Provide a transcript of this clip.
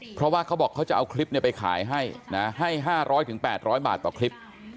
เพราะว่าเขาบอกเขาจะเอาคลิปไปขายให้นะให้๕๐๐๘๐๐บาทต่อคลิป